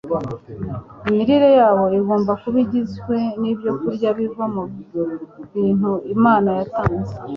imirire yabo igomba kuba igizwe n'ibyokurya biva mu bintu imana yatanze